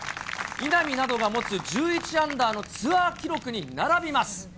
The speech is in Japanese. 稲見などが持つ１１アンダーのツアー記録に並びます。